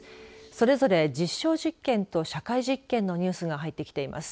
それぞれ実証実験と社会実験のニュースが入ってきています。